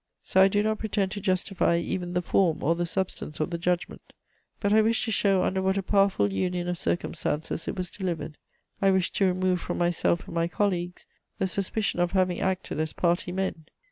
So I do not pretend to justify even the form or the substance of the judgment; but I wish to show under what a powerful union of circumstances it was delivered; I wish to remove from myself and my colleagues the suspicion of having acted as party men.